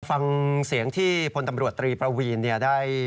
ฟังเสียงที่พ้นตำรวจตรีปวีนเนี่ยได้